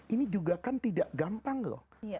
ini juga kan tidak gampang loh